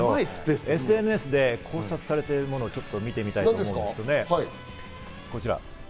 ＳＮＳで考察されているものを見てみたいと思うんですけど、こちら。